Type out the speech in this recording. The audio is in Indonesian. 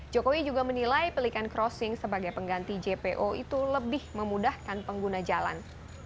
jokowi juga menilai pelikan crossing sebagai pengganti jpo itu lebih memudahkan pengguna jalan